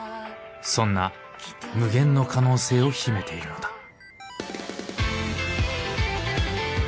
そんな無限の可能性を秘めているのだ。